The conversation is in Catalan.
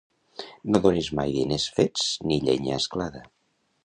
No donis mai diners fets ni llenya asclada.